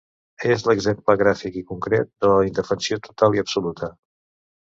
És l’exemple gràfic i concret de la indefensió total i absoluta.